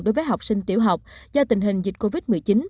đối với học sinh tiểu học do tình hình dịch covid một mươi chín